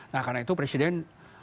nah karena itu presiden